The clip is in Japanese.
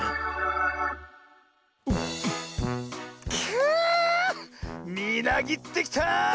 くみなぎってきた！